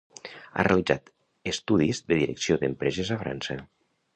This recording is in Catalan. Ha realitzat estudis de Direcció d'empreses a França.